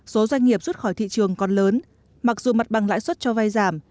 số doanh nghiệp xuất khỏi thị trường còn lớn mặc dù mặt bằng lãi suất cho vai giảm